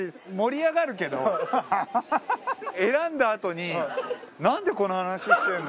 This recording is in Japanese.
選んだあとになんでこの話してるの？